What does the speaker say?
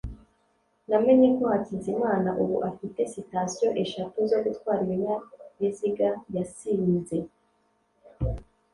namenye ko hakizimana ubu afite citations eshatu zo gutwara ibinyabiziga yasinze